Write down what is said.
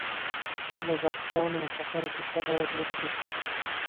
د زعفرانو د سفر کیسه باید وکړو.